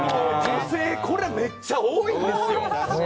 女性はこれめっちゃ多いですよ！